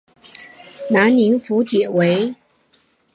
南宁府解围。